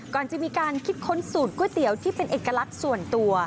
ก่อนจะมีการคิดค้นสูตรก๋วยเตี๋ยวที่เป็นเอกลักษณ์ส่วนตัว